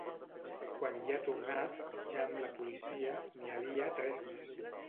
Quan hi ha tornat, ja amb la policia, n’hi havia tres més.